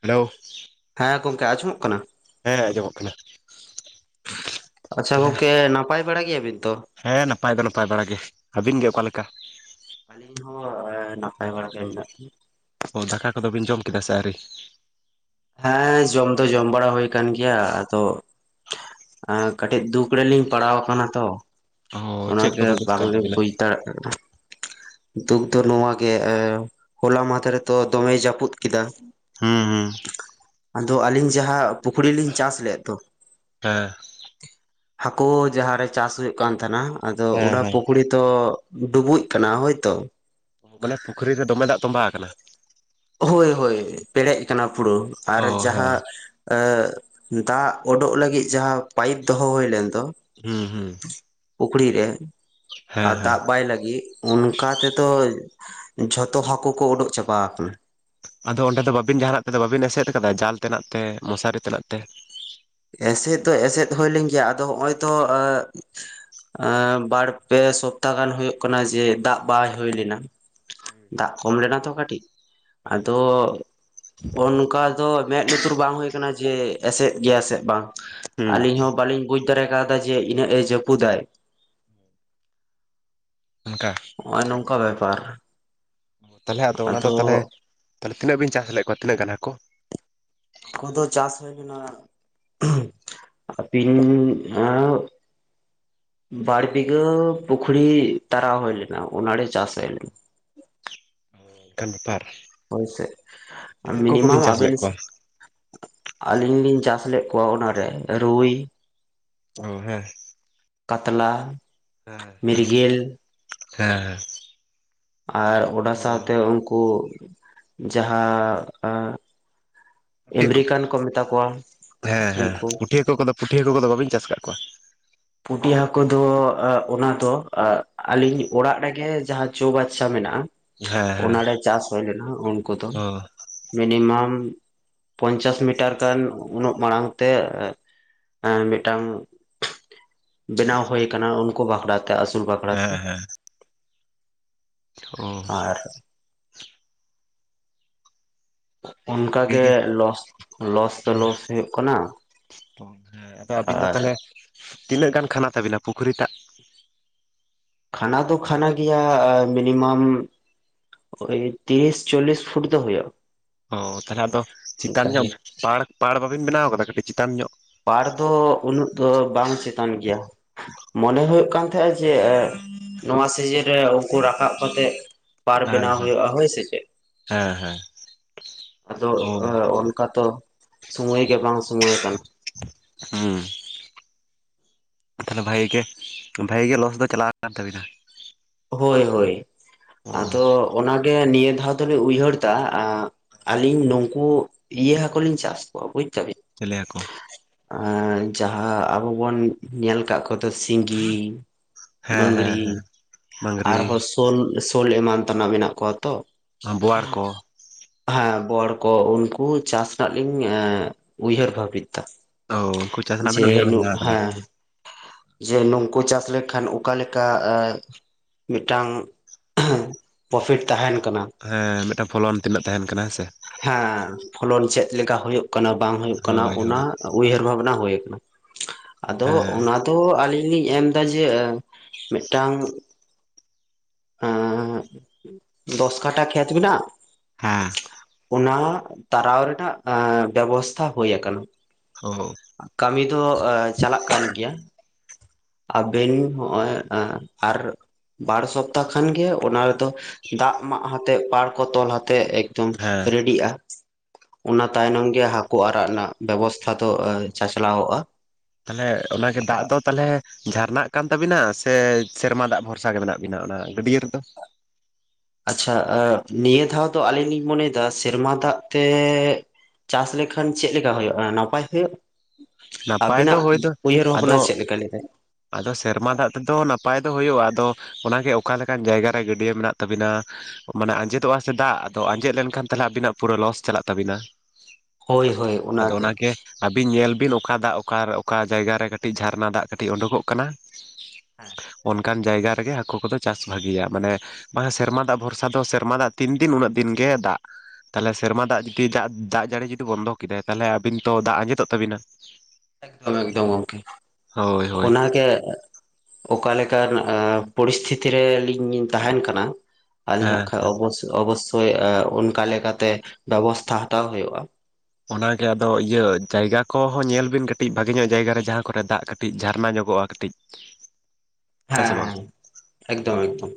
Hello ᱦᱮᱸ ᱜᱚᱝᱠᱮ ᱟᱸᱡᱚᱢᱚᱜ ᱠᱟᱱᱟ ᱦᱮᱸ ᱟᱸᱡᱚᱢᱚᱜ ᱠᱟᱱᱟ ᱟᱪᱪᱷᱟ ᱛᱟᱦᱚᱞᱮ ᱜᱚᱝᱠᱮ ᱱᱟᱯᱟᱭ ᱵᱟᱲᱟ ᱜᱮᱭᱟᱵᱤᱱ ᱛᱚ? ᱦᱮᱸ ᱱᱟᱯᱟᱭ ᱫᱚ ᱱᱟᱯᱟᱭ ᱵᱟᱲᱟᱜᱮ ᱦᱮ ᱱᱟᱯᱟᱭ ᱵᱟᱲᱟᱜᱮ ᱢᱮᱱᱟᱞᱤᱧᱟ ᱚ ᱫᱟᱠᱟ ᱠᱚᱫᱚ ᱵᱤᱱ ᱡᱚᱢ ᱠᱮᱫᱟ ᱥᱮ ᱟᱹᱣᱨᱤ ᱦᱮᱸ ᱡᱚᱢ ᱫᱚ ᱡᱚᱢ ᱵᱟᱲᱟ ᱦᱩᱭ ᱟᱠᱟᱱ ᱜᱮᱭᱟ ᱟᱫᱚ ᱮᱸ ᱠᱟᱹᱴᱤᱡ ᱫᱩᱠ ᱨᱮᱞᱤᱧ ᱯᱟᱲᱟᱣ ᱟᱠᱟᱱᱟ ᱛᱚ ᱚ ᱪᱮᱫ ᱚᱱᱟᱜᱮ ᱠᱚᱫᱚ ᱫᱩᱠ ᱠᱟᱱ ᱵᱟᱝᱞᱤᱧ ᱛᱟᱵᱤᱱᱟ ᱵᱩᱡᱽ ᱫᱟᱲᱮᱭᱟᱜ ᱠᱟᱱᱟ ᱫᱩᱠ ᱫᱚ ᱱᱚᱣᱟ ᱜᱮ ᱮ ᱦᱚᱞᱟ ᱢᱟᱫᱷᱮᱨ ᱛᱚ ᱫᱚᱢᱮᱭ ᱡᱟᱹᱯᱩᱫ ᱠᱮᱫᱟ ᱦᱩᱸ ᱦᱩᱸ ᱟᱫᱚ ᱟᱹᱞᱤᱧ ᱡᱟᱦᱟᱸ ᱯᱩᱠᱷᱨᱤ ᱞᱤᱧ ᱪᱟᱥ ᱞᱮᱫ ᱫᱚ ᱦᱮᱸ ᱦᱟᱹᱠᱩ ᱡᱟᱦᱟᱸ ᱨᱮ ᱪᱟᱥ ᱦᱩᱭᱩᱜ ᱠᱟᱱ ᱛᱟᱦᱮᱸᱱᱟ ᱟᱫᱚ ᱦᱮᱸ ᱚᱰᱟ ᱦᱮᱸ ᱯᱩᱠᱷᱨᱤ ᱛᱚ ᱰᱩᱵᱩᱡ ᱠᱟᱱᱟ ᱦᱳᱭ ᱛᱚ ᱢᱟᱱᱮ ᱯᱩᱠᱷᱨᱤ ᱨᱮ ᱫᱚᱢᱮ ᱫᱟᱜ ᱛᱚᱸᱵᱟ ᱟᱠᱟᱱᱟ ᱦᱳᱭ ᱦᱳᱭ ᱯᱮᱨᱮᱡ ᱟᱠᱟᱱᱟ ᱯᱩᱨᱟᱹ ᱟᱨ ᱚ ᱦᱮᱸ ᱡᱟᱦᱟᱸ ᱮ ᱫᱟᱜ ᱩᱰᱳᱜ ᱞᱟᱹᱜᱤᱫ ᱡᱟᱦᱟᱸ ᱯᱟᱭᱤᱯ ᱫᱚᱦᱚ ᱦᱳᱭ ᱞᱮᱱ ᱫᱚ ᱦᱩᱸ ᱦᱩᱸ ᱯᱩᱠᱷᱲᱨᱤ ᱨᱮ ᱦᱮᱸ ᱟᱨ ᱦᱮᱸ ᱫᱟᱜ ᱵᱟᱭ ᱞᱟᱹᱜᱤᱫ ᱚᱱᱠᱟ ᱛᱮᱛᱚᱼᱼ ᱡᱷᱚᱛᱚ ᱦᱟᱹᱠᱩ ᱠᱚ ᱳᱰᱳᱜ ᱪᱟᱵᱟ ᱠᱟᱱᱟ ᱟᱫᱚ ᱚᱸᱰᱮ ᱫᱚ ᱵᱟᱵᱤᱱ ᱡᱟᱦᱟᱱᱟᱜ ᱛᱮᱫᱚ ᱵᱟᱹᱵᱤᱱ ᱮᱥᱮᱫ ᱠᱟᱫᱟ ᱡᱟᱞ ᱛᱟᱱᱟᱜ ᱛᱮ ᱢᱚᱥᱟᱨᱤ ᱛᱟᱱᱟᱜ ᱛᱮ ᱮᱥᱮᱫ ᱫᱚ ᱮᱥᱮᱫ ᱦᱩᱭ ᱞᱮᱱ ᱜᱮᱭᱟ ᱟᱫᱚ ᱦᱚᱸᱜᱼᱚᱭ ᱛᱚ ᱮ ᱵᱟᱨ ᱯᱮ ᱥᱚᱯᱛᱟ ᱜᱟᱱ ᱦᱩᱭᱩᱜ ᱠᱟᱱᱟ ᱡᱮ ᱫᱟᱜ ᱵᱟᱭ ᱦᱩᱭ ᱞᱮᱱᱟ ᱫᱟᱜ ᱠᱚᱢ ᱞᱮᱱᱟ ᱛᱚ ᱠᱟᱹᱴᱤᱡ ᱟᱫᱚ ᱚᱱᱠᱟ ᱫᱚ ᱢᱮᱫ ᱞᱩᱛᱩᱨ ᱵᱟᱝ ᱦᱩᱭ ᱠᱟᱱᱟ ᱡᱮ ᱮᱥᱮᱫ ᱜᱮᱭᱟ ᱥᱮᱫ ᱵᱟᱝ ᱦᱩᱸ ᱟᱹᱞᱤᱧ ᱦᱚᱸ ᱵᱟᱹᱞᱤᱧ ᱵᱩᱡ [unintelligible] ᱠᱟᱣᱫᱟᱭ ᱡᱮ ᱤᱱᱟᱹᱜ ᱮ ᱡᱟᱹᱯᱩᱫᱟᱭ ᱚᱱᱠᱟ ᱱᱚᱜᱼᱚᱭ ᱱᱚᱝᱠᱟ ᱵᱮᱯᱟᱨ ᱛᱟᱦᱚᱞᱮ ᱟᱫᱚ ᱚᱱᱟᱫᱚ ᱛᱟᱦᱚᱞᱮ ᱛᱟᱦᱮ ᱛᱤᱱᱟᱹᱜ ᱵᱤᱱ ᱪᱟᱥ ᱞᱮᱫ ᱠᱚᱣᱟ ᱛᱤᱱᱟᱹᱜ ᱜᱟᱱ ᱦᱟᱠᱳ ᱦᱟᱠᱳ ᱫᱚ ᱪᱟᱥ ᱦᱩᱭ ᱞᱮᱱᱟ [unintelligible] ᱵᱟᱨ ᱵᱤᱜᱷᱟᱹ ᱯᱩᱠᱷᱨᱤ ᱛᱟᱨᱟᱣ ᱦᱩᱭ ᱞᱮᱱᱟ ᱚᱱᱟᱨᱮ ᱪᱟᱥ ᱦᱩᱭ ᱞᱮᱱᱟ ᱴᱟᱝ ᱵᱮᱯᱟᱨ ᱦᱳᱭ ᱥᱮ ᱪᱤᱞᱤ ᱦᱟᱹᱠᱩ ᱢᱤᱱᱤᱢᱟᱢ ᱠᱚᱵᱤᱱ ᱪᱟᱥ ᱞᱮᱫ ᱟᱹᱵᱤᱱ ᱠᱚᱣᱟ ᱟᱹᱞᱤᱧ ᱞᱤᱧ ᱪᱟᱥ ᱞᱮᱜ ᱠᱚᱣᱟ ᱚᱱᱟ ᱨᱮ ᱨᱩᱭ ᱚ ᱦᱮᱸ ᱠᱟᱛᱞᱟ ᱢᱤᱨᱜᱮᱹᱞ ᱦᱮᱸ ᱦᱮᱸ ᱟᱨ ᱚᱱᱟ ᱚ ᱥᱟᱶᱛᱮ ᱩᱱᱠᱩ ᱡᱟᱦᱟ ᱮ ᱯᱩᱴᱷᱤ ᱦᱟᱹᱠᱩ ᱮᱹᱢᱨᱤᱠᱟᱱ ᱠᱚ ᱢᱮᱛᱟ ᱠᱚᱣᱟ ᱦᱮᱸ ᱦᱮᱸ ᱩᱱᱠᱩ ᱯᱩᱴᱷᱤ ᱦᱟᱹᱠᱩ ᱠᱚᱫᱚ ᱯᱤᱴᱷᱤ ᱦᱟᱹᱠᱩ ᱠᱚᱫᱚ ᱵᱟᱹᱵᱤᱱ ᱪᱟᱥ ᱟᱠᱟᱫ ᱠᱚᱣᱟ ᱯᱩᱴᱷᱤ ᱦᱟᱹᱠᱩ ᱫᱚ ᱚᱱᱟᱫᱚ ᱟᱹᱞᱤᱧ ᱚᱲᱟᱜ ᱨᱮᱜᱮ ᱡᱟᱦᱟᱸ ᱪᱳ ᱵᱟᱪᱪᱷᱟ ᱢᱮᱱᱟᱜᱼᱟ ᱦᱮᱸ ᱦᱮᱸ ᱚᱱᱟᱨᱮ ᱪᱟᱥ ᱦᱩᱭ ᱞᱮᱱᱟ ᱩᱱᱠᱩ ᱫᱚ ᱚ ᱢᱤᱱᱤᱢᱟᱢ ᱯᱚᱧᱪᱟᱥ ᱢᱤᱴᱟᱨ ᱜᱟᱱ ᱩᱱᱟᱹᱜ ᱢᱟᱲᱟᱝ ᱛᱮ ᱮ ᱮᱸ ᱢᱤᱫᱴᱟᱝ ᱵᱮᱱᱟᱣ ᱦᱩᱭ ᱟᱠᱟᱱᱟ ᱩᱱᱠᱩ ᱵᱟᱠᱷᱨᱟ ᱛᱮ ᱟᱹᱥᱩᱞ ᱵᱟᱠᱷᱨᱟ ᱛᱮ ᱚᱸ ᱟᱨ ᱛᱟᱦᱚᱞᱮ ᱚᱱᱠᱟ ᱵᱷᱟᱜᱤ ᱜᱮ ᱞᱚᱥ ᱞᱚᱥ ᱫᱚ ᱞᱚᱥ ᱦᱩᱭᱩᱜ ᱠᱟᱱᱟ ᱚ ᱦᱮᱸ ᱟᱫᱚ ᱟᱹᱵᱤᱱ ᱫᱚ ᱟᱨ ᱛᱟᱦᱚᱞᱮ ᱛᱤᱱᱟᱹᱜ ᱜᱟᱱ ᱠᱷᱟᱱᱟ ᱛᱟᱹᱵᱤᱱᱟ ᱯᱩᱠᱷᱨᱤ ᱴᱟᱜ ᱠᱷᱟᱱᱟ ᱫᱚ ᱠᱷᱟᱱᱟ ᱜᱮᱭᱟ ᱢᱤᱱᱤᱢᱟᱢ ᱳᱭ ᱛᱤᱨᱤᱥ ᱪᱚᱞᱞᱤᱥ ᱯᱷᱩᱴ ᱫᱚ ᱦᱳᱭᱳᱜ ᱚ ᱛᱟᱦᱚᱞᱮ ᱟᱫᱚ ᱪᱮᱛᱟᱱ ᱧᱚᱜ ᱯᱟᱲ ᱯᱟᱲ ᱵᱟᱹᱵᱤᱱ ᱵᱮᱱᱟᱣ ᱟᱠᱟᱫᱟ ᱠᱟᱹᱴᱤᱡ ᱪᱮᱛᱟᱱ ᱧᱚᱜ ᱯᱟᱲ ᱫᱚ ᱩᱱᱟᱹᱜ ᱫᱚ ᱵᱟᱝ ᱪᱮᱛᱟᱱ ᱜᱮᱭᱟ ᱢᱚᱱᱮ ᱦᱩᱭᱩᱜ ᱠᱟᱱ ᱛᱟᱦᱮ ᱡᱮ ᱱᱚᱣᱟ ᱥᱤᱡᱤᱱ ᱨᱮ ᱠᱚ ᱨᱟᱠᱟᱵ ᱠᱟᱛᱮᱜ ᱯᱟᱨᱠ ᱦᱮᱸ ᱵᱮᱱᱟᱣ ᱦᱮᱸ ᱦᱩᱭᱩᱜᱼᱟ ᱦᱳᱭ ᱥᱮ ᱪᱮᱫ ᱦᱮᱸ ᱦᱮᱸ ᱟᱫᱚ ᱚ ᱚᱱᱠᱟ ᱛᱚ ᱥᱚᱢᱚᱭ ᱜᱮ ᱵᱟᱝ ᱥᱚᱢᱚᱭ ᱟᱠᱟᱱᱟ ᱦᱩᱸ ᱛᱟᱦᱚᱞᱮ ᱵᱷᱟᱜᱮ ᱜᱮ ᱵᱷᱟᱜᱮ ᱜᱮ ᱞᱚᱥ ᱫᱚ ᱪᱟᱞᱟᱣ ᱟᱠᱟᱱ ᱛᱟᱹᱵᱤᱱᱟ ᱦᱳᱭ ᱦᱳᱭ ᱚ ᱟᱫᱚ ᱚᱱᱟ ᱜᱮ ᱱᱤᱭᱟᱹ ᱫᱷᱟᱣ ᱫᱚᱞᱮ ᱩᱭᱦᱟᱹᱨ ᱫᱟ ᱟᱹᱞᱤᱧ ᱱᱩᱠᱩ ᱤᱭᱟᱹ ᱦᱟᱹᱠᱩ ᱞᱤᱧ ᱪᱟᱥ ᱠᱚᱣᱟ ᱪᱮᱞᱮ ᱦᱟᱠᱚ ᱟᱨ ᱡᱟᱦᱟᱸ ᱟᱵᱚ ᱵᱚᱱ ᱧᱮᱞ ᱠᱟᱜ ᱠᱚᱫᱚ ᱥᱤᱸᱜᱤ ᱦᱮᱸ ᱦᱮᱸ ᱢᱟᱹᱜᱽᱨᱤ ᱦᱮᱸ ᱢᱟᱝᱜᱽᱨᱤ ᱟᱨᱦᱚᱸ ᱥᱳᱞ ᱥᱳᱞ ᱮᱢᱟᱱ ᱛᱮᱱᱟᱜ ᱢᱮᱱᱟᱜ ᱠᱚᱣᱟ ᱛᱚ ᱵᱳᱣᱟᱲ ᱠᱚ ᱦᱮᱸ ᱵᱳᱣᱟᱲ ᱠᱚ ᱩᱱᱠᱩ ᱪᱟᱥ ᱨᱮᱱᱟᱜ ᱞᱤᱧ ᱩᱭᱦᱟᱹᱨ ᱵᱷᱟᱵᱤᱛ ᱚ ᱩᱱᱠᱩ ᱪᱟᱥ ᱨᱮᱱᱟᱜ ᱵᱤᱱ ᱡᱮ ᱩᱭᱦᱟᱹᱨ ᱵᱷᱟᱵᱽᱱᱟ ᱱᱚᱜ ᱟᱠᱟᱫᱟ ᱦᱟ ᱡᱮ ᱱᱩᱝᱠᱩ ᱪᱟᱥ ᱞᱮᱠᱷᱟᱱ ᱚᱠᱟᱞᱮᱠᱟ ᱢᱤᱫᱴᱟᱝ ᱯᱨᱚᱯᱷᱤᱴ ᱛᱟᱦᱮᱱ ᱠᱟᱱᱟ ᱦᱮᱸ ᱢᱤᱫᱴᱟᱝ ᱯᱷᱚᱞᱚᱱ ᱛᱤᱱᱟᱹᱜ ᱛᱟᱦᱮᱱ ᱠᱟᱱᱟ ᱦᱮᱸ ᱥᱮ ᱦᱮᱸ ᱯᱷᱚᱞᱚᱱ ᱪᱮᱫ ᱞᱮᱠᱟ ᱦᱩᱭᱩᱜ ᱠᱟᱱᱟ ᱵᱟᱝ ᱦᱩᱭᱩᱜ ᱠᱟᱱᱟ ᱦᱳᱭ ᱚᱱᱟ ᱦᱳᱭ ᱩᱭᱦᱟᱹᱨ ᱵᱷᱟᱵᱱᱟ ᱦᱳᱭ ᱟᱫᱚ ᱦᱮᱸ ᱚᱱᱟ ᱫᱚ ᱟᱹᱞᱤᱧ ᱤᱧᱤᱧ ᱮᱢᱫᱟ ᱡᱮ ᱢᱤᱫᱴᱟᱝ ᱦᱮᱸ ᱫᱚᱥ ᱠᱟᱴᱟ ᱠᱷᱮᱛ ᱢᱮᱱᱟᱜ-ᱟ ᱦᱮᱸ ᱚᱱᱟ ᱛᱟᱨᱟᱣ ᱨᱮᱱᱟᱜ ᱵᱮᱵᱚᱥᱛᱷᱟ ᱦᱩᱭ ᱟᱠᱟᱱᱟ᱾ ᱚ ᱠᱟᱹᱢᱤ ᱫᱚ ᱪᱟᱞᱟᱜ ᱠᱟᱱ ᱜᱮᱭᱟ᱾ ᱟᱵᱮᱱ ᱦᱚᱸᱜᱼᱚᱭ ᱟᱨ ᱵᱟᱨ ᱥᱚᱯᱛᱟᱦ ᱠᱷᱟᱱᱜᱮ ᱚᱱᱟ ᱨᱮᱫᱚ ᱫᱟᱜ ᱢᱟᱜ ᱟᱛᱮᱜ ᱯᱟᱲ ᱠᱚ ᱛᱚᱞ ᱟᱛᱮᱫ [unintelligible] ᱦᱮᱸ ᱨᱮᱰᱤᱜᱼᱟ ᱚᱱᱟ ᱛᱟᱭᱱᱚᱢ ᱜᱮ ᱦᱟᱹᱠᱩ ᱟᱨᱟᱜ ᱨᱮᱱᱟᱜ ᱵᱮᱵᱚᱥᱛᱟ ᱚ ᱛᱟᱦᱞᱮ ᱚᱱᱟᱜᱮ ᱫᱟᱜ ᱫᱚ ᱛᱟᱦᱚᱞᱮ ᱡᱷᱟᱨᱱᱟᱱᱟᱜ ᱠᱟᱱ ᱛᱟᱵᱤᱱᱟ ᱥᱮ ᱥᱮᱨᱢᱟ ᱫᱟᱜ ᱵᱷᱚᱨᱥᱟ ᱜᱮ ᱢᱮᱱᱟᱜ ᱵᱤᱱᱟ ᱚᱱᱟ ᱜᱟᱹᱰᱭᱟᱹ ᱨᱮᱫᱚ ᱟᱪᱪᱷᱟ ᱱᱤᱭᱟᱹ ᱫᱷᱟᱣ ᱫᱚ ᱟᱹᱞᱤᱧ ᱞᱤᱧ ᱢᱚᱱᱮᱭᱮᱫᱟ ᱥᱮᱨᱢᱟ ᱫᱟᱜ ᱛᱮ ᱪᱟᱹᱥ ᱞᱮᱠᱷᱟᱱ ᱪᱮᱫᱞᱮᱠᱟ ᱦᱩᱭᱩᱜᱼᱟ ᱱᱟᱯᱟᱭ ᱦᱩᱭᱩᱜ ᱱᱟᱯᱟᱭ ᱫᱚ ᱟᱵᱤᱱᱟᱜ ᱦᱳᱭ ᱫᱚ ᱩᱭᱦᱟᱹᱨ ᱟᱫᱚ ᱵᱷᱟᱵᱽᱱᱟ ᱪᱮᱫ ᱞᱮᱠᱟ ᱞᱟᱹᱭ ᱫᱟᱭ ᱟᱫᱚ ᱥᱮᱨᱢᱟ ᱫᱟᱜ ᱛᱮᱫᱚ ᱱᱟᱯᱟᱭ ᱫᱚ ᱦᱩᱭᱩᱜᱼᱟ ᱟᱫᱚ ᱚᱱᱟᱜᱮ ᱚᱠᱟᱞᱮᱠᱟᱱ ᱡᱟᱭᱜᱟ ᱨᱮ ᱜᱟᱹᱰᱭᱟᱹ ᱢᱮᱱᱟᱜ ᱛᱟᱵᱤᱱᱟ ᱢᱟᱱᱮ ᱟᱸᱡᱮᱫᱚᱜᱼᱟ ᱥᱮ ᱫᱟᱜ ᱟᱫᱚ ᱟᱸᱡᱮᱫ ᱞᱮᱱᱠᱷᱟᱱ [unintelligible] ᱟᱵᱤᱱᱟᱜ ᱯᱩᱨᱟᱹ ᱞᱚᱥ ᱪᱟᱞᱟᱜ ᱛᱟᱹᱵᱤᱱᱟ ᱦᱳᱭ ᱦᱳᱭ ᱟᱫᱚ ᱚᱱᱟᱜᱮ ᱟᱹᱵᱤᱱ ᱧᱮᱞ ᱵᱤᱱ ᱚᱠᱟ ᱫᱟᱜ ᱚᱠᱟ ᱚᱠᱟ ᱡᱟᱭᱜᱟ ᱨᱮ ᱠᱟᱹᱴᱤᱡ ᱡᱷᱟᱨᱱᱟ ᱫᱟᱜ ᱠᱟᱹᱴᱤᱡ ᱩᱰᱩᱠᱚᱜ ᱠᱟᱱᱟ ᱦᱮᱸ ᱚᱱᱠᱟᱱ ᱡᱟᱭᱜᱟ ᱨᱮᱜᱮ ᱦᱟᱹᱠᱩ ᱠᱚᱫᱚ ᱪᱟᱥ ᱵᱷᱟᱹᱜᱤᱭᱟ ᱢᱟᱱᱮ ᱥᱮᱨᱢᱟ ᱫᱟᱜ ᱵᱷᱚᱨᱥᱟ ᱫᱚ ᱥᱮᱨᱢᱟ ᱫᱟᱜ ᱛᱤᱱ ᱫᱤᱱ ᱩᱱᱟᱹᱜ ᱫᱤᱱ ᱜᱮ ᱪᱮᱫᱟᱜ ᱛᱟᱦᱚᱞᱮ ᱥᱮᱨᱢᱟ ᱫᱟᱜ ᱡᱩᱫᱤ ᱫᱟᱜ ᱡᱟᱹᱲᱤ ᱡᱩᱫᱤ ᱵᱚᱱᱫᱚ ᱠᱮᱫᱟᱭ ᱛᱟᱦᱚᱞᱮ ᱟᱹᱵᱤᱱ ᱛᱚ ᱫᱟᱜ ᱟᱸᱡᱮᱫᱚᱜ ᱛᱟᱵᱤᱱᱟ᱾ ᱮᱠᱫᱚᱢ ᱮᱠᱫᱚᱢ ᱜᱚᱢᱠᱮ ᱦᱳᱭ ᱦᱳᱭ ᱚᱱᱟᱜᱮ ᱚᱠᱟ ᱞᱮᱠᱟᱱ ᱯᱚᱨᱤᱥᱛᱷᱤᱛᱤ ᱨᱮᱞᱤᱧ ᱛᱟᱦᱮᱱ ᱠᱟᱱᱟ ᱟᱹᱞᱤᱧ ᱦᱟᱸᱜ ᱦᱮᱸ ᱠᱷᱟᱱ ᱚᱵᱚᱥᱥᱳᱭ ᱚᱱᱠᱟ ᱞᱮᱠᱟᱛᱮ ᱵᱮᱵᱚᱥᱛᱷᱟ ᱦᱟᱛᱟᱣ ᱦᱩᱭᱩᱜᱼᱟ᱾ ᱚᱱᱟᱜᱮ ᱟᱫᱚ ᱤᱭᱟᱹ ᱡᱟᱭᱜᱟ ᱠᱚᱦᱚᱸ ᱧᱮᱞ ᱵᱤᱱ ᱠᱟᱹᱴᱤᱡ ᱵᱷᱟᱜᱮ ᱧᱚᱜ ᱡᱟᱭᱜᱟ ᱨᱮ ᱡᱟᱦᱟᱸ ᱠᱚᱨᱮ ᱫᱟᱜ ᱠᱟᱹᱴᱤᱡ ᱡᱷᱟᱨᱱᱟ ᱧᱚᱜᱚᱜᱼᱟ [unintelligible] ᱠᱟᱹᱴᱤᱡ ᱥᱮ ᱦᱮᱸ ᱵᱟᱝ ᱮᱠᱫᱚᱢ ᱮᱠᱫᱚᱢ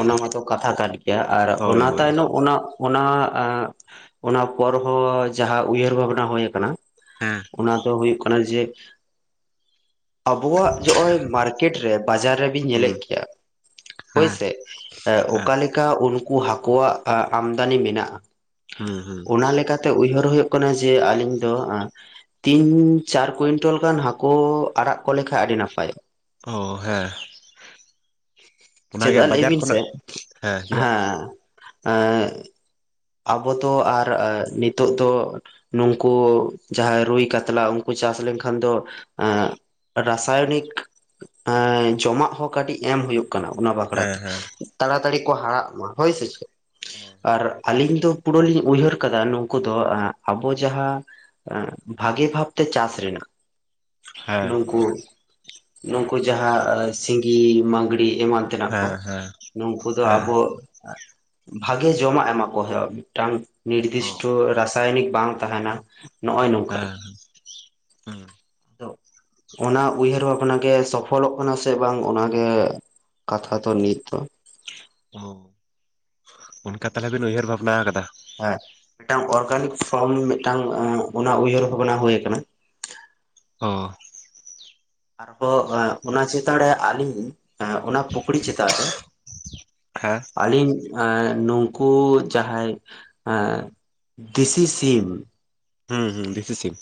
ᱚᱱᱟ ᱢᱟᱛᱚ ᱠᱟᱛᱷᱟ ᱠᱟᱱ ᱜᱮᱭᱟ ᱟᱨ ᱦᱳᱭ ᱚᱱᱟ ᱦᱳᱭ ᱛᱟᱭᱱᱚᱢ ᱚᱱᱟ ᱚᱱᱟ ᱚᱱᱟ ᱯᱚᱨ ᱦᱚᱸ ᱡᱟᱦᱟᱸ ᱩᱭᱦᱟᱹᱨ ᱵᱷᱟᱵᱱᱟ ᱦᱩᱭ ᱟᱠᱟᱱᱟ ᱦᱮᱸ ᱚᱱᱟ ᱫᱚ ᱦᱩᱭᱩᱜ ᱠᱟᱱᱟ ᱡᱮ ᱟᱵᱚᱣᱟᱜ ᱱᱚᱜᱼᱚᱭ ᱢᱟᱨᱠᱮᱴ ᱨᱮ ᱵᱟᱡᱟᱨ ᱨᱮᱵᱤᱱ ᱦᱩᱸ ᱧᱮᱞᱮᱫ ᱜᱮᱭᱟ ᱦᱩᱸ ᱦᱳᱭᱥᱮ ᱦᱮᱸ ᱚᱠᱟ ᱞᱮᱠᱟ ᱩᱱᱠᱩ ᱦᱟᱹᱠᱩᱣᱟᱜ ᱟᱢᱫᱟᱱᱤ ᱢᱮᱱᱟᱜᱼᱟ ᱦᱩᱸ ᱦᱩᱸ ᱚᱱᱟ ᱞᱮᱠᱟᱛᱮ ᱩᱭᱦᱟᱹᱨ ᱦᱩᱭᱩᱜ ᱦᱩᱭᱩᱜ ᱠᱟᱱᱟ ᱡᱮ ᱟᱹᱞᱤᱧ ᱫᱚ ᱛᱤᱱ ᱪᱟᱨ ᱠᱩᱭᱤᱱᱴᱟᱞ ᱜᱟᱱ ᱦᱟᱹᱠᱩ ᱟᱲᱟᱜ ᱠᱚ ᱞᱮᱠᱷᱟᱡ ᱟᱹᱰᱤ ᱱᱟᱯᱟᱭᱚᱜᱼᱟ᱾ ᱚ ᱦᱮᱸ ᱚᱱᱟᱜᱮ ᱪᱮᱫᱟᱜᱼᱟ ᱞᱟᱹᱭ ᱵᱟᱡᱟᱨ ᱵᱤᱱ ᱥᱮ ᱠᱷᱚᱱᱟᱜ ᱦᱮᱸ ᱦᱮ ᱪᱮᱫᱟᱜ [unintelligible] ᱟᱵᱚ ᱫᱚ ᱟᱨ ᱱᱤᱛᱚᱜ ᱫᱚ ᱱᱩᱝᱠᱩ ᱡᱟᱦᱟᱸᱭ ᱨᱩᱭ ᱠᱟᱛᱞᱟ ᱩᱱᱠᱩ ᱪᱟᱥ ᱞᱮᱱᱠᱷᱟᱱ ᱫᱚ ᱮ ᱨᱟᱥᱟᱭᱚᱱᱤᱠ ᱡᱚᱢᱟᱜ ᱦᱚᱸ ᱠᱟᱹᱴᱤᱡ ᱮᱢ ᱦᱩᱭᱩᱜ ᱠᱟᱱᱟ ᱚᱱᱟ ᱵᱟᱠᱷᱨᱟ ᱦᱮᱸ ᱛᱮ ᱦᱮᱸ ᱛᱟᱲᱟ ᱛᱟᱲᱤ ᱠᱚ ᱦᱟᱨᱟᱜ ᱢᱟ ᱦᱳᱭ ᱥᱮ ᱪᱮᱫ ᱦᱮᱸ ᱟᱨ ᱟᱹᱞᱤᱧ ᱫᱚ ᱯᱩᱨᱟᱹ ᱞᱤᱧ ᱩᱭᱦᱟᱹᱨ ᱟᱠᱟᱫᱟ ᱱᱩᱠᱩ ᱫᱚ ᱟᱵᱚ ᱡᱟᱦᱟᱸ ᱵᱷᱟᱜᱤ ᱵᱷᱟᱵᱛᱮ ᱪᱟᱹᱥ ᱨᱮᱱᱟᱜ ᱦᱮᱸ ᱱᱩᱠᱩ ᱱᱩᱠᱩ ᱡᱟᱦᱟᱸ ᱥᱤᱸᱜᱤ ᱢᱟᱜᱽᱲᱼᱼ ᱤ ᱮᱢᱟᱱ ᱛᱮᱱᱟᱜ ᱦᱮᱸ ᱠᱚ ᱦᱮᱸ ᱱᱩᱠᱩ ᱫᱚ ᱟᱵᱚ ᱵᱷᱟᱜᱮ ᱡᱚᱢᱟᱜ ᱮᱢᱟ ᱠᱚ ᱠᱚ ᱦᱩᱭᱩᱜ ᱢᱤᱫᱴᱟᱝ ᱚ ᱱᱤᱨᱫᱤᱥᱴᱚ ᱨᱟᱥᱟᱭᱚᱱᱤᱠ ᱵᱟᱝ ᱛᱟᱦᱮᱱᱟ ᱱᱚᱜᱼᱚᱭ ᱱᱚᱝᱠᱟᱱᱟᱜ ᱦᱮᱸ ᱦᱮᱸ ᱚᱱᱟ ᱩᱭᱦᱟᱹᱨ ᱵᱷᱟᱵᱽᱱᱟ ᱜᱮ ᱥᱚᱯᱷᱚᱞᱚᱜ ᱠᱟᱱᱟ ᱥᱮ ᱵᱟᱝ ᱚᱱᱟᱜᱮ ᱠᱟᱛᱷᱟ ᱫᱚ ᱛᱚ ᱱᱤᱛᱚᱜ ᱚ ᱚᱱᱠᱟ ᱛᱟᱦᱚᱞᱮ ᱵᱤᱱ ᱩᱭᱦᱟᱹᱨ ᱵᱷᱟᱵᱱᱟ ᱟᱠᱟᱫᱟ᱾ ᱦᱮᱸ ᱢᱤᱫᱴᱟᱝ ᱚᱨᱜᱟᱱᱤᱠ ᱯᱷᱨᱢ ᱢᱤᱫᱴᱟᱝ ᱚᱱᱟ ᱩᱭᱦᱟᱹᱨ ᱵᱷᱟᱵᱽᱱᱟ ᱦᱩᱭ ᱟᱠᱟᱱᱟ [inaudible] ᱚ ᱟᱨᱦᱚᱸ ᱚᱱᱟ ᱪᱮᱛᱟᱱ ᱨᱮ ᱟᱹᱞᱤᱧ ᱯᱩᱠᱲᱤ ᱪᱮᱛᱟᱱ ᱨᱮ ᱦᱮᱸ ᱟᱹᱞᱤᱧ ᱮ ᱱᱩᱠᱩ ᱡᱟᱦᱟᱸᱭ ᱫᱤᱥᱤ ᱥᱤᱢ ᱦᱮᱸ ᱦᱮᱸ ᱰᱤᱥᱤ ᱥᱤᱢ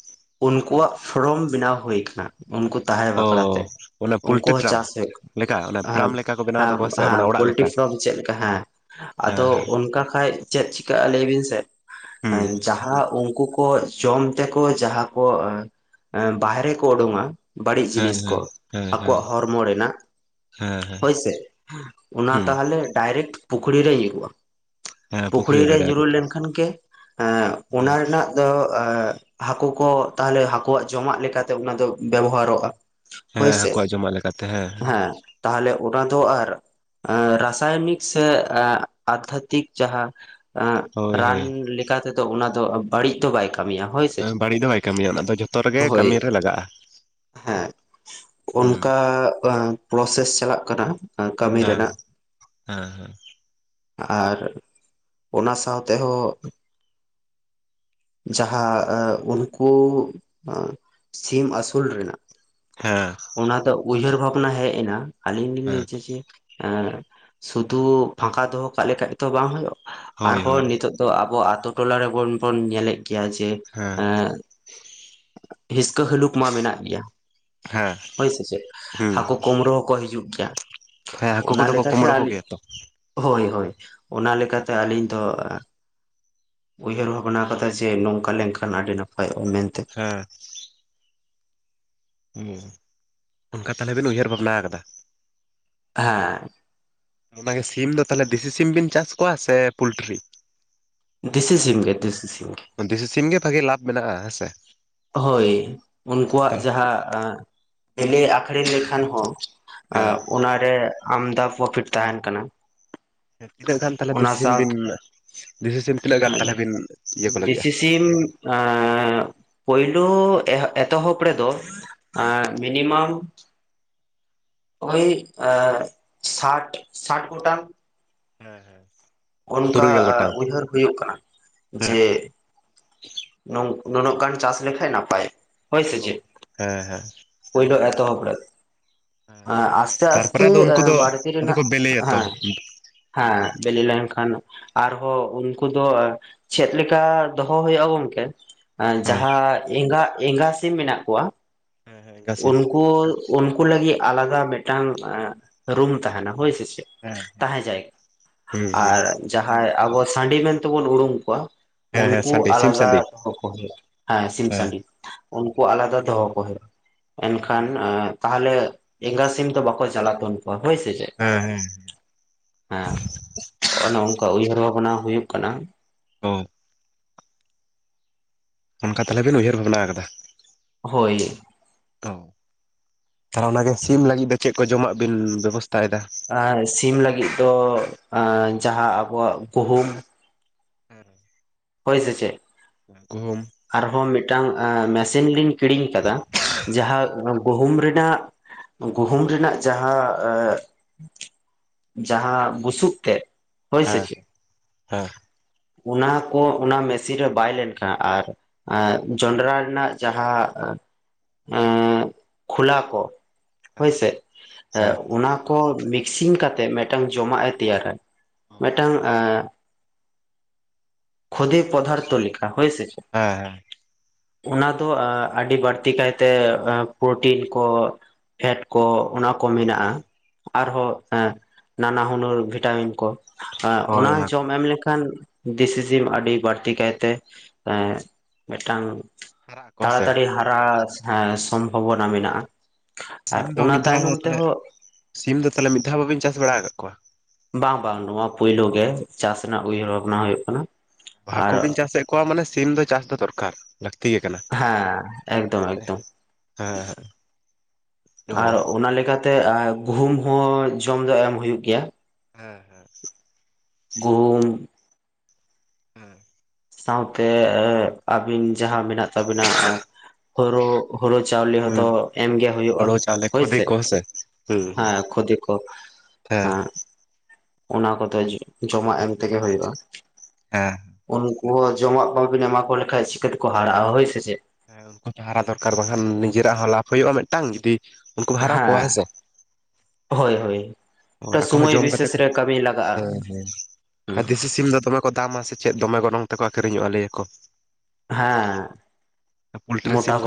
ᱩᱱᱠᱩᱣᱟᱜ ᱯᱷᱨᱚᱢ ᱵᱮᱱᱟᱣ ᱦᱩᱭ ᱟᱠᱟᱱᱟ᱾ ᱩᱱᱠᱩ ᱛᱟᱦᱮᱸ ᱚ ᱵᱟᱠᱷᱨᱟ ᱛᱮ ᱚᱱᱟ ᱩᱱᱠᱩ ᱯᱳᱞᱴᱨᱤ ᱦᱚᱸ ᱯᱷᱟᱨᱢ ᱪᱟᱥ ᱦᱩᱭᱩᱜ ᱞᱮᱠᱟ ᱚᱱᱟ ᱯᱨᱟᱢ ᱞᱮᱠᱟ ᱠᱚ ᱵᱮᱱᱟᱣ ᱛᱟᱠᱚᱣᱟ ᱥᱮ ᱚᱱᱟ ᱚᱲᱟᱜ ᱯᱳᱞᱴᱤᱨᱤ ᱞᱮᱠᱟ ᱯᱷᱟᱨᱢ ᱪᱮᱫ ᱞᱮᱠᱟ ᱦᱮᱸ ᱟᱫᱚ ᱦᱮᱸ ᱚᱱᱠᱟ ᱠᱷᱟᱱ ᱪᱮᱫ ᱪᱤᱠᱟᱹᱜᱼᱟ ᱞᱟᱹᱭ ᱵᱤᱱ ᱥᱮ ᱦᱮᱸ ᱡᱟᱦᱟᱸ ᱩᱱᱠᱩ ᱡᱚᱢ ᱛᱮᱠᱚ ᱡᱟᱦᱟᱸ ᱠᱚ ᱵᱟᱦᱨᱮ ᱠᱚ ᱩᱰᱩᱝᱼᱟ ᱵᱟᱹᱲᱤᱡ ᱦᱮᱸ ᱡᱤᱱᱤᱥ ᱠᱚ ᱦᱮᱸ ᱦᱮᱸ ᱦᱮᱸ ᱟᱠᱚᱣᱟᱜ ᱦᱚᱲᱢᱚ ᱨᱮᱱᱟᱜ ᱦᱮᱸ ᱦᱮᱸ ᱦᱮᱸ ᱦᱳᱭᱥᱮ ᱚᱱᱟ ᱦᱩᱸ ᱛᱟᱦᱚᱞᱮ ᱰᱟᱭᱨᱮᱠᱴ ᱯᱩᱠᱷᱨᱤ ᱨᱮ ᱦᱩᱭᱩᱜᱼᱟ ᱯᱩᱠᱷᱨᱤ ᱨᱮ ᱧᱩᱨᱩ ᱞᱮᱱᱠᱷᱟᱱ ᱜᱮ ᱚᱱᱟ ᱨᱮᱱᱟᱜ ᱫᱚ ᱦᱟᱹᱠᱩ ᱠᱚ ᱛᱟᱦᱞᱮ ᱦᱟᱹᱠᱩᱣᱟᱜ ᱡᱚᱢᱟᱜ ᱞᱮᱠᱟᱛᱮ ᱚᱱᱟ ᱫᱚ ᱵᱮᱵᱚᱦᱟᱨᱚᱜᱼᱟ᱾ ᱦᱮᱸ ᱦᱳᱭᱥᱮ ᱦᱟᱹᱠᱩᱣᱟᱜ ᱡᱚᱢᱟᱜ ᱞᱮᱠᱟᱛᱮ ᱦᱮᱸ ᱛᱟᱦᱚᱞᱮ ᱚᱱᱟ ᱫᱚ ᱟᱨ ᱮ ᱨᱟᱥᱟᱭᱚᱱᱤᱠ ᱥᱮ ᱟᱫᱷᱟᱛᱤᱠ ᱡᱟᱦᱟᱸ ᱮ ᱦᱳᱭ ᱨᱟᱱ ᱦᱳᱭ ᱞᱮᱠᱟ ᱛᱮᱫᱚ ᱚᱱᱟ ᱫᱚ ᱵᱟᱹᱲᱤᱡ ᱫᱚ ᱵᱟᱭ ᱠᱟᱹᱢᱤᱭᱟ ᱦᱳᱭ ᱥᱮ ᱵᱟᱹᱲᱤᱡ ᱫᱚ ᱵᱟᱭ ᱠᱟᱹᱢᱤᱭᱟ ᱚᱱᱟ ᱫᱚ ᱡᱷᱚᱛᱚ ᱨᱮᱜᱮ ᱦᱳᱭ ᱠᱟᱹᱢᱤ ᱨᱮ ᱞᱟᱜᱟᱜᱼᱟ ᱦᱮᱸ ᱦᱩᱸ ᱚᱱᱠᱟ ᱯᱨᱚᱥᱮᱥ ᱪᱟᱞᱟᱜ ᱠᱟᱱᱟ ᱠᱟᱹᱢᱤ ᱦᱮᱸ ᱨᱮᱱᱟᱜ ᱦᱮᱸ ᱦᱮᱸ ᱟᱨ ᱚᱱᱟ ᱥᱟᱶ ᱛᱮᱦᱚᱸ ᱡᱟᱦᱟᱸ ᱩᱱᱠᱩ ᱥᱤᱢ ᱟᱹᱥᱩᱞ ᱨᱮᱱᱟᱜ ᱦᱮᱸ ᱚᱱᱟ ᱫᱚ ᱩᱭᱦᱟᱹᱨ ᱵᱷᱟᱵᱽᱱᱟ ᱦᱮᱡ ᱮᱱᱟ ᱟᱹᱞᱤᱧ ᱞᱤᱧ ᱞᱟᱹᱭ ᱦᱮᱸ ᱪᱮᱫ ᱥᱩᱫᱷᱩ ᱯᱷᱟᱸᱠᱟ ᱫᱚᱦᱚ ᱠᱟᱜ ᱞᱮᱠᱷᱟᱡ ᱛᱚ ᱵᱟᱝ ᱦᱩᱭᱩᱜ ᱦᱳᱭ ᱟᱨᱦᱚᱸ ᱦᱳᱭ ᱱᱤᱛᱚᱜ ᱫᱚ ᱟᱵᱚ ᱟᱛ ᱴᱚᱞᱟ ᱨᱮᱵᱚᱱ ᱵᱚᱱ ᱧᱮᱞᱮᱫ ᱜᱮᱭᱟ ᱡᱮ ᱦᱮᱸ ᱦᱤᱥᱠᱟᱹ ᱦᱟᱞᱩᱠ ᱢᱟ ᱢᱮᱱᱟᱜ ᱜᱮᱭᱟ᱾ ᱦᱮᱸ ᱦᱳᱭ ᱥᱮ ᱪᱮᱫ ᱦᱮᱸ ᱦᱟᱹᱠᱩ ᱠᱩᱢᱲᱩ ᱦᱚᱸᱠᱚ ᱦᱤᱡᱩᱜ ᱜᱮᱭᱟ ᱦᱮᱸ ᱦᱟᱹᱠᱩ ᱚᱱᱟ ᱠᱚᱫᱚ ᱠᱚ ᱞᱮᱠᱟᱛᱮ ᱠᱩᱢᱵᱽᱲᱩ ᱟ ᱠᱚᱜᱮᱭᱟ ᱛᱚ ᱦᱳᱭ ᱦᱳᱭ ᱚᱱᱟ ᱞᱮᱠᱟᱛᱮ ᱟᱹᱞᱤᱧ ᱫᱚ ᱩᱭᱦᱟᱹᱨ ᱵᱷᱟᱵᱽᱱᱟ ᱟᱠᱟᱫᱟ ᱡᱮ ᱱᱚᱝᱠᱟ ᱞᱮᱱᱠᱷᱟᱱ ᱟᱹᱰᱤ ᱱᱟᱯᱟᱭᱚᱜᱼᱟ ᱢᱮᱱᱛᱮ ᱦᱮᱸ ᱦᱮᱸ ᱚᱱᱠᱟ ᱛᱟᱦᱞᱮ ᱵᱮᱱ ᱩᱭᱦᱟᱹᱨ ᱵᱷᱟᱵᱽᱱᱟ ᱟᱠᱟᱫᱟ ᱦᱮᱸ ᱚᱱᱟᱜᱮ ᱥᱤᱢ ᱫᱚ ᱛᱟᱦᱞᱮ ᱫᱮᱥᱤ ᱥᱤᱢ ᱵᱤᱱ ᱪᱟᱥ ᱠᱚᱣᱟ ᱥᱮ ᱯᱳᱞᱴᱨᱤ? ᱫᱤᱥᱤ ᱥᱤᱢ ᱜᱮ ᱫᱤᱥᱤ ᱥᱤᱢ ᱜᱮ᱾ ᱫᱤᱥᱤ ᱥᱤᱢ ᱜᱮ ᱵᱷᱟᱜᱤ ᱞᱟᱵᱷ ᱢᱮᱱᱟᱜᱼᱟ ᱦᱮᱸᱥᱮ ᱦᱳᱭ ᱩᱱᱠᱩᱣᱟᱜ ᱡᱟᱦᱟᱸ ᱦᱤᱞᱤ ᱟᱠᱷᱨᱤᱧ ᱞᱮᱠᱷᱟᱱ ᱦᱚᱸ ᱚᱱᱟᱨᱮ ᱟᱢᱫᱟ ᱯᱨᱚᱯᱷᱤᱴ ᱛᱟᱦᱮᱱ ᱠᱟᱱᱟᱢ ᱛᱤᱱᱟᱹᱜ ᱜᱟᱱ ᱛᱟᱦᱚᱞᱮ ᱫᱤᱥᱤ ᱥᱤᱢ ᱵᱤᱱ ᱛᱤᱱᱟᱹᱜ ᱜᱟᱱ ᱛᱟᱦᱚᱞᱮ ᱵᱤᱱ ᱤᱭᱟᱹ ᱠᱚ ᱞᱟᱹᱜᱤᱫᱼᱟ ᱟᱨ [unintelligible] ᱯᱳᱭᱞᱳ ᱮᱛᱚᱦᱚᱵ ᱨᱮᱫᱚ ᱢᱤᱱᱤᱢᱟᱢ ᱱᱚᱜ ᱚᱭ ᱥᱟᱴ ᱥᱟᱴ ᱜᱚᱴᱟᱝ ᱦᱮᱸ ᱦᱮᱸ ᱚᱱᱠᱟ ᱛᱩᱨᱩᱭ ᱜᱮᱞ ᱜᱚᱴᱟᱝ ᱩᱭᱦᱟᱹᱨ ᱦᱩᱭᱩᱜ ᱠᱟᱱᱟ ᱦᱮᱸ ᱡᱮ ᱱᱩᱱᱟᱹᱜ ᱜᱟᱱ ᱪᱟᱥ ᱞᱮᱠᱷᱟ ᱱᱟᱯᱟᱭ ᱦᱳᱭ ᱥᱮ ᱚ ᱪᱮᱫ ᱦᱮᱸ ᱦᱮᱸ ᱯᱳᱭᱞᱳ ᱮ ᱮᱛᱚᱦᱚᱵᱸ ᱦᱮᱸ ᱦᱮᱸ ᱟᱥᱛᱮ ᱟᱥᱛᱮ ᱛᱟᱨᱯᱚᱨᱮ ᱟᱫᱚ ᱩᱱᱠᱩ ᱫᱚ ᱵᱟᱲᱛᱤ ᱟᱫᱚ ᱨᱮᱱᱟᱜ ᱠᱚ ᱵᱮᱞᱮᱭᱟᱛᱚ ᱦᱮᱸ ᱦᱮᱸ ᱵᱤᱞᱤ ᱞᱮᱱᱠᱷᱟᱱ ᱟᱨᱦᱚᱸ ᱩᱱᱠᱩ ᱫᱚ ᱪᱮᱫ ᱞᱮᱠᱟ ᱫᱚᱦᱚ ᱦᱩᱭᱩᱜᱼᱟ ᱜᱚᱝᱠᱮ ᱦᱮᱸ ᱡᱟᱦᱟᱸ ᱮᱸᱜᱟ ᱮᱸᱜᱟ ᱥᱤᱢ ᱢᱮᱱᱟᱜ ᱠᱚᱣᱟ ᱦᱮᱸ ᱦᱮᱸ ᱮᱸᱜᱟ ᱥᱤᱢ ᱩᱱᱠᱩ ᱩᱱᱠᱩ ᱞᱟᱹᱜᱤᱫ ᱟᱞᱟᱫᱟ ᱢᱤᱫᱴᱟᱝ ᱨᱩᱢ ᱛᱟᱦᱮᱱᱟ ᱦᱳᱭ ᱦᱮᱸ ᱦᱮᱸ ᱛᱟᱦᱮᱸ ᱡᱟᱭᱜᱟ ᱦᱩᱸ ᱦᱩᱸ ᱟᱨ ᱡᱟᱦᱟᱸᱭ ᱟᱵᱚ ᱥᱟᱺᱰᱤ ᱢᱮᱱ ᱛᱮᱵᱚᱱ ᱩᱨᱩᱢ ᱠᱚᱣᱟ ᱦᱮᱸ ᱦᱮᱸ ᱩᱱᱠᱩ ᱥᱟᱺᱰᱤ ᱥᱤᱢ ᱥᱟᱺᱰᱤ ᱟᱞᱟᱫᱟ ᱦᱩᱭᱩᱜ ᱦᱮᱸ ᱥᱤᱢ ᱥᱟᱺᱰᱤ ᱩᱱᱠᱩ ᱦᱮᱸ ᱟᱞᱟᱫᱟ ᱫᱚᱦᱚ ᱠᱚ ᱦᱩᱭᱩᱜᱼᱟ ᱮᱱᱠᱷᱟᱱ ᱛᱟᱦᱚᱞᱮ ᱮᱸᱜᱟ ᱥᱤᱢ ᱫᱚ ᱵᱟᱠᱚ ᱪᱟᱞᱟᱜ ᱛ ᱦᱳᱭ ᱥᱮ ᱪᱮᱫ ᱦᱮᱸ ᱦᱮᱸ ᱦᱮᱸ ᱱᱚᱭ ᱚᱱᱠᱟ ᱩᱭᱦᱟᱹᱨ ᱚᱱᱟ ᱦᱩᱭᱩᱜ ᱠᱟᱱᱟ ᱚ ᱚᱱᱠᱟ ᱛᱟᱦᱚᱞᱮ ᱵᱤᱱ ᱩᱭᱦᱟᱹᱨ ᱵᱷᱟᱵᱽᱱᱟ ᱟᱠᱟᱫᱟ ᱦᱳᱭ ᱛᱚ ᱚᱱᱟ ᱜᱮ ᱥᱤᱢ ᱞᱟᱹᱜᱤᱫ ᱫᱚ ᱪᱮᱫ ᱠᱚ ᱡᱚᱢᱟᱜ ᱵᱤᱱ ᱵᱮᱵᱚᱥ ᱮ ᱥᱤᱢ ᱞᱟᱹᱜᱤᱫ ᱫᱚ ᱮ ᱡᱟᱦᱟᱸ ᱟᱵᱚᱣᱟᱜ ᱜᱩᱦᱩᱢ ᱦᱮᱸ [inaudible] [unintelligible] ᱦᱳᱭ ᱥᱮ ᱪᱮᱫ ᱜᱩᱦᱩᱢ ᱟᱨᱦᱚᱸ ᱢᱤᱫᱴᱟᱝ ᱢᱮᱥᱤᱱ ᱞᱤᱧ ᱠᱤᱨᱤᱧ ᱟᱠᱟᱫᱟ ᱡᱟᱦᱟᱸ ᱜᱩᱦᱩᱢ ᱨᱮᱱᱟᱜ ᱜᱩᱦᱩᱢ ᱨᱮᱱᱟᱜ ᱡᱟᱦᱟᱸ ᱡᱟᱦᱟᱸ ᱵᱩᱥᱩᱵ ᱛᱮᱫ ᱦᱳᱭ ᱥᱮ ᱦᱮᱸ ᱪᱮᱫ ᱦᱮᱸ ᱚᱱᱟ ᱠᱚ ᱚᱱᱟ ᱢᱮᱥᱤᱱ ᱨᱮ ᱵᱟᱭᱞᱮᱱ ᱠᱷᱟᱱ ᱟᱨ ᱡᱚᱱᱰᱨᱟ ᱨᱮᱱᱟᱜ ᱡᱟᱦᱟᱸ ᱚᱸᱻ ᱠᱷᱳᱞᱟ ᱠᱚ ᱦᱮᱸ ᱦᱳᱭᱥᱮ ᱮ ᱦᱮᱸ ᱚᱱᱟ ᱠᱚ ᱢᱤᱠᱥᱤᱝ ᱠᱟᱛᱮᱜ ᱢᱤᱫᱴᱟᱝ ᱡᱚᱢᱟᱜ ᱮ ᱛᱮᱭᱟᱨᱟ ᱦᱳᱭ ᱢᱤᱫᱴᱟᱝ ᱮᱸ ᱠᱷᱳᱫᱮ ᱯᱚᱫᱟᱨᱛ ᱞᱮᱠᱷᱟ ᱦᱳᱭ ᱥᱮ ᱦᱮᱸ ᱦᱮᱸ ᱚᱱᱟ ᱫᱚ ᱟᱹᱰᱤ ᱵᱟᱹᱲᱛᱤ ᱠᱟᱭᱛᱮ ᱯᱨᱚᱴᱤᱱ ᱠᱚ ᱯᱷᱮᱴ ᱠᱚ ᱚᱱᱟ ᱠᱚ ᱦᱳᱭ ᱢᱮᱱᱟᱜᱼᱟ ᱦᱳᱭ ᱟᱨᱦᱚᱸ ᱦᱮᱸ ᱱᱟᱱᱟ ᱦᱩᱱᱟᱹᱨ ᱵᱷᱤᱴᱟᱢᱤᱱ ᱠᱚ ᱟᱸ ᱦᱳᱭ ᱚᱱᱟ ᱠᱚ ᱡᱚᱢ ᱮᱢ ᱞᱮᱠᱷᱟᱱ ᱫᱤᱥᱤᱥᱤᱢ ᱟᱹᱰᱤ ᱵᱟᱹᱲᱛᱤ ᱠᱟᱭᱛᱮ ᱮᱸ ᱢᱤᱫᱴᱟᱝ ᱦᱟᱨᱟᱜ ᱟᱠᱚ ᱥᱮ ᱛᱟᱲᱟᱛᱟᱲᱤ ᱦᱟᱨᱟ ᱥᱚᱢᱵᱷᱚᱵᱚᱱᱟ ᱢᱮᱱᱟᱜᱼᱟ ᱟᱨ ᱥᱤᱢ ᱫᱚ ᱚᱱᱟ ᱢᱤᱫ ᱫᱷᱟᱣ ᱛᱟᱭᱱᱚᱢ ᱦᱚᱸ ᱛᱟᱦᱞᱮ ᱛᱮᱦᱚᱸ ᱥᱤᱢ ᱫᱚ ᱛᱟᱦᱞᱮ ᱢᱤᱫ ᱫᱷᱟᱣ ᱵᱟᱝᱵᱤᱱ ᱪᱟᱥ ᱵᱟᱲᱟ ᱟᱠᱟᱟᱜ ᱠᱚᱣᱟ ᱵᱟᱝ ᱵᱟᱝ ᱱᱚᱣᱟ ᱯᱳᱞᱩ ᱜᱮ ᱪᱟᱥ ᱨᱮᱱᱟᱜ ᱩᱭᱦᱟᱹᱨ ᱵᱷᱟᱵᱽᱱᱟ ᱦᱩᱭᱩᱜ ᱠᱟᱱᱟ ᱦᱟᱹᱠᱩ ᱟᱨ ᱵᱤᱱ ᱪᱟᱥᱮᱫ ᱠᱚᱣᱟ ᱢᱟᱱᱮ ᱥᱤᱢ ᱫᱚ ᱪᱟᱥ ᱫᱚ ᱫᱚᱨᱠᱟᱨ ᱴᱤᱠ ᱠᱟᱱᱟ ᱦᱮᱸ ᱮᱠᱫᱚᱢ ᱦᱮᱸ ᱮᱠᱫᱚᱢ ᱦᱮᱸ ᱚ ᱟᱨ ᱚᱱᱟᱞ ᱞᱮᱠᱟᱛᱮ ᱜᱩᱦᱩᱢ ᱦᱚᱸ ᱡᱚᱢ ᱫᱚ ᱮᱢ ᱦᱩᱭᱩᱜ ᱜᱮᱭᱟ ᱦᱮᱸ ᱦᱮᱸ ᱜᱩᱦᱩᱢ ᱦᱮᱸ ᱥᱟᱶᱛᱮ ᱟᱹᱵᱤᱱ ᱡᱟᱦᱟᱸ ᱢᱮᱱᱟᱜ ᱛᱟᱵᱤᱱᱟ ᱦᱚᱨᱚᱜ ᱦᱩᱲᱩ ᱪᱟᱣᱞᱮ ᱦᱩᱸ ᱦᱚᱛᱚ ᱮᱢ ᱜᱮ ᱦᱩᱭᱩᱜᱼᱟ ᱦᱳᱲᱳ ᱪᱟᱣᱞᱮ ᱠᱷᱚᱫᱮ ᱦᱳᱭᱥᱮ ᱠᱚ ᱦᱮᱸᱥᱮ ᱦᱩᱸ ᱦᱮᱸ ᱠᱷᱚᱫᱮ ᱠᱚ ᱦᱮᱸ ᱚᱱᱟ ᱠᱚᱫᱚ ᱡᱚᱢᱟᱜ ᱮᱢ ᱛᱮᱜᱮ ᱦᱩᱭᱩᱜᱼᱟ᱾ ᱦᱮᱸ ᱩᱱᱠᱩ ᱦᱚᱸ ᱡᱚᱢᱟᱜ ᱵᱟᱝᱵᱤᱱ ᱮᱢᱟ ᱠᱚ ᱞᱮᱠᱷᱟᱱ ᱪᱤᱠᱟᱹ ᱛᱮᱠᱚ ᱦᱟᱨᱟᱜᱼᱟ ᱦᱳᱭ ᱥᱮ ᱪᱮᱫ ᱦᱮᱸ ᱩᱱᱠᱩ ᱦᱚᱸ ᱦᱟᱨᱟ ᱫᱚᱨᱠᱟᱨ ᱵᱟᱝᱠᱷᱟᱱ ᱱᱤᱡᱮᱨᱟᱜ ᱦᱚᱸ ᱞᱟᱵᱷ ᱦᱩᱭᱩᱜᱼᱟ ᱢᱤᱫᱴᱟᱝ ᱡᱩᱫᱤ ᱩᱱᱠᱩᱢ ᱦᱟᱨᱟ ᱠᱚᱣᱟ ᱦᱮᱸ ᱥᱮ ᱦᱳᱭ ᱦᱳᱭ ᱦᱳᱭ ᱟᱠᱚ ᱦᱚᱸ ᱥᱚᱢᱚᱭ ᱡᱚᱢ ᱠᱟᱛᱮ ᱵᱤᱥᱮᱥ ᱠᱚ ᱨᱮ ᱠᱟᱹᱢᱤ ᱞᱟᱜᱟᱜᱼᱟ ᱦᱮᱸ ᱦᱮᱸ ᱫᱮᱥᱤ ᱥᱤᱢ ᱫᱚ ᱫᱚᱢᱮ ᱠᱚ ᱫᱟᱢᱟ ᱥᱮ ᱪᱮᱫ ᱫᱚᱢᱮ ᱜᱚᱱᱚᱝ ᱛᱮᱠᱚ ᱟᱹᱷᱨᱤᱧᱟ ᱟᱠᱷᱨᱤᱧᱚᱜᱼᱟ ᱞᱮᱭᱟᱠᱚ ᱦᱮᱸ ᱯᱳᱞᱴᱨᱤ ᱢᱳᱴᱟ ᱥᱤᱢ ᱠᱚ